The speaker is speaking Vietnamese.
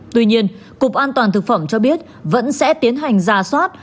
tuy nhiên cục an toàn thực phẩm cho biết vẫn sẽ tiến hành giả soát